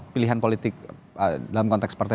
pilihan politik dalam konteks partai